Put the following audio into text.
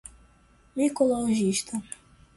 micologista